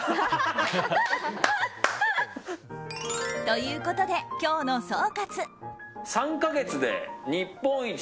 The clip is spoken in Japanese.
ということで、今日の総括。